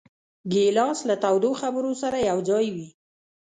ګیلاس له تودو خبرو سره یوځای وي.